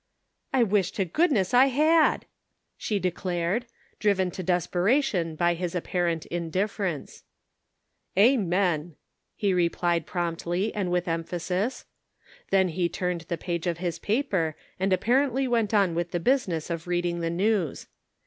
"I wish to goodness I had," she declared, driven to desperation by his apparent indif ference. " Amen," he replied promptly, and with emphasis. Then he turned the page of his paper and apparently went on with the busi ness of reading the news.